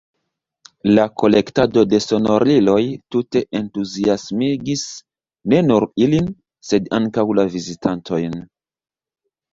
La kolektado de sonoriloj tute entuziasmigis ne nur ilin, sed ankaŭ la vizitantojn.